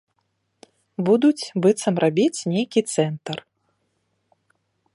Будуць быццам рабіць нейкі цэнтр.